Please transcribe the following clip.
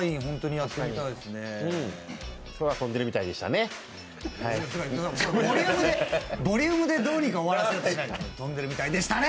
空飛んでるみたいでしたね。